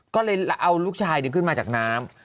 ก็เลยเอาลูกชายขึ้นมาจากน้ำ